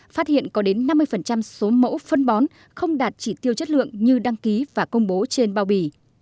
phát hiện có đến năm mươi số mẫu phân bón không đạt chỉ tiêu chất lượng như đăng ký và công bố trên bao bì